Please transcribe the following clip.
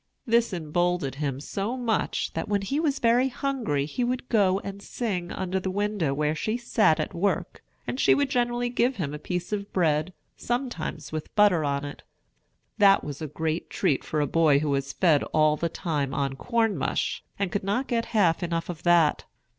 This emboldened him so much, that when he was very hungry he would go and sing under the window where she sat at work, and she would generally give him a piece of bread, sometimes with butter on it. That was a great treat for a boy who was fed all the time on corn mush, and could not get half enough of that.